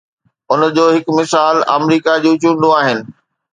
ان جو هڪ مثال آمريڪا جون چونڊون آهن.